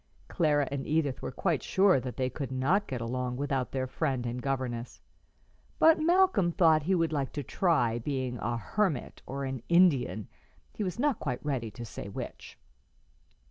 Clara and Edith were quite sure that they could not get along without their friend and governess, but Malcolm thought he would like to try being a hermit or an Indian, he was not quite ready to say which.